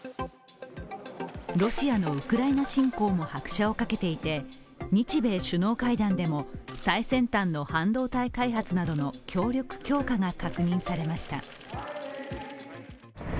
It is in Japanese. ロシアのウクライナ侵攻も拍車をかけていて日米首脳会談でも最先端の半導体開発などの協力強化が確認されました。